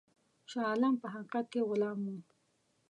شاه عالم په حقیقت کې غلام وو.